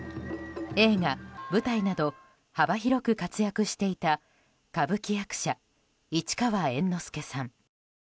映画、舞台など幅広く活躍していた歌舞伎役者・市川猿之助さん。